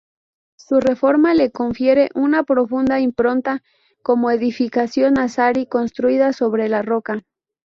Su reforma le confiere una profunda impronta como edificación nazarí construida sobre la roca.